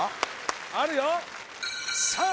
あるよさあ